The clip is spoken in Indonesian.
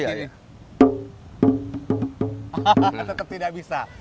hahaha tetap tidak bisa